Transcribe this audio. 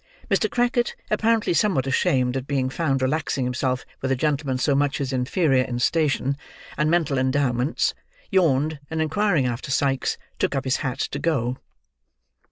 Mr. Crackit, apparently somewhat ashamed at being found relaxing himself with a gentleman so much his inferior in station and mental endowments, yawned, and inquiring after Sikes, took up his hat to go.